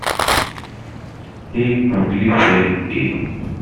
He quickly fell ill.